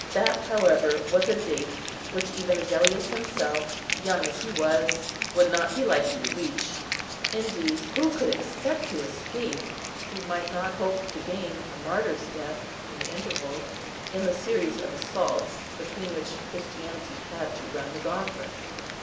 That, however, was a date which even Agellius himself, young as he was, would not be likely to reach; indeed, who could expect to escape, who might not hope to gain, a Martyr's death, in the interval, in the series of assaults, between which Christianity had to run the gauntlet?